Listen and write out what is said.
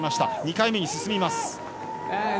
２回目に進みます。